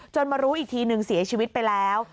มารู้อีกทีนึงเสียชีวิตไปแล้ว